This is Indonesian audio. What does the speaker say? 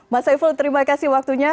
mas saiful terima kasih waktunya